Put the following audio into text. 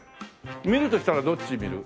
見るとしたらどっち見る？